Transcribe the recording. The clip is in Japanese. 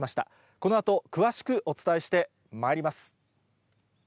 このあと詳しくお伝えしてまいります。